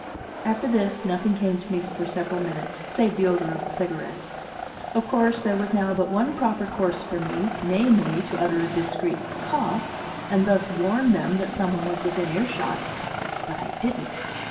After this, nothing came to me for several minutes, save the odor of the cigarettes. Of course there was now but one proper course for me, namely, to utter a discreet cough, and thus warn them that some one was within earshot. But I didn't!